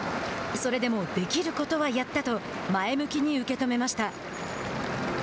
それでも、できることはやったと前向きに受け止めました。